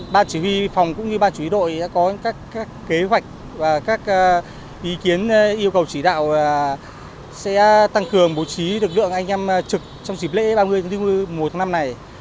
bàn chỉ huy phòng cũng như bàn chỉ huy đội đã có các kế hoạch và các ý kiến yêu cầu chỉ đạo sẽ tăng cường bố trí lực lượng anh em trực trong dịp lễ ba mươi một tháng năm này